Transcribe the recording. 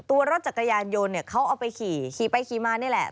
รถจักรยานยนต์เนี่ยเขาเอาไปขี่ขี่ไปขี่มานี่แหละ